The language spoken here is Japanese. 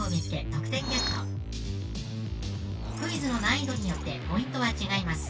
「得点ゲット」「クイズの難易度によってポイントは違います」